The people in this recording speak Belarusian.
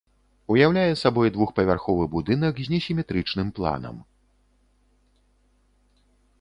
Уяўляе сабой двухпавярховы будынак, з несіметрычным планам.